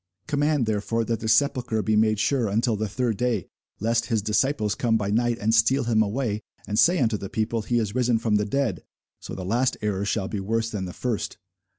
Command therefore that the sepulchre be made sure until the third day, lest his disciples come by night, and steal him away, and say unto the people, He is risen from the dead: so the last error shall be worse than the first.